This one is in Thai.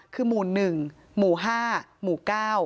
คือหมู่๑หมู่๕หมู่๙